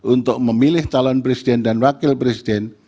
untuk memilih calon presiden dan wakil presiden